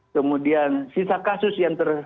kemudian sisa kasus yang